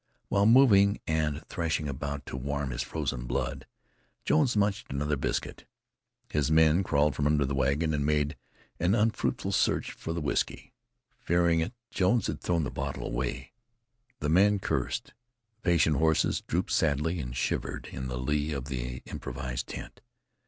While moving and threshing about to warm his frozen blood, Jones munched another biscuit. Five men crawled from under the wagon, and made an unfruitful search for the whisky. Fearing it, Jones had thrown the bottle away. The men cursed. The patient horses drooped sadly, and shivered in the lee of the improvised tent.